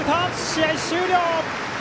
試合終了。